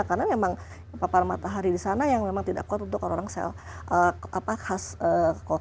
karena memang papal matahari di sana yang memang tidak kuat untuk orang orang sel khas kokasia